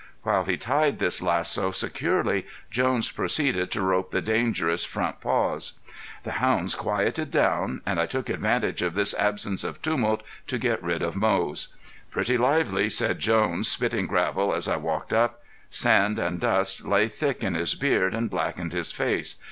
While he tied this lasso securely Jones proceeded to rope the dangerous front paws. The hounds quieted down and I took advantage of this absence of tumult to get rid of Moze. "Pretty lively," said Jones, spitting gravel as I walked up. Sand and dust lay thick in his beard and blackened his face.